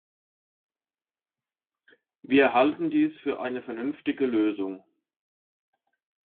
Wir halten dies für eine vernünftige Lösung.